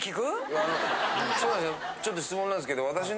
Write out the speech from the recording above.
ちょっと質問なんですけど。